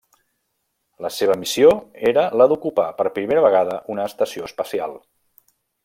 La seva missió era la d'ocupar per primera vegada una estació espacial.